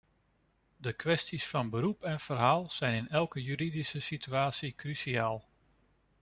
De kwesties van beroep en verhaal zijn in elke juridische situatie cruciaal.